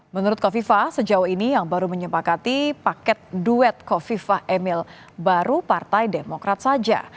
menurut kofifa sejauh ini yang baru menyepakati paket duet kofifah emil baru partai demokrat saja